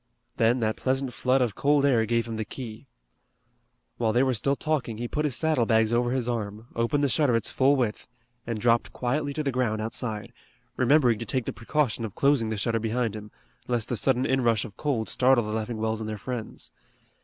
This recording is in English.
Then that pleasant flood of cold air gave him the key. While they were still talking he put his saddle bags over his arm, opened the shutter its full width, and dropped quietly to the ground outside, remembering to take the precaution of closing the shutter behind him, lest the sudden inrush of cold startle the Leffingwells and their friends.